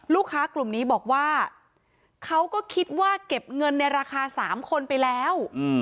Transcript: ลูกค้ากลุ่มนี้บอกว่าเขาก็คิดว่าเก็บเงินในราคา๓คนไปแล้ว